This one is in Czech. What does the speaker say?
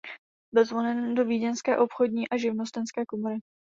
Byl zvolen do vídeňské obchodní a živnostenské komory.